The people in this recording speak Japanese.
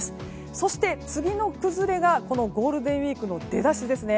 そして、次の崩れがゴールデンウィークの出だしですね。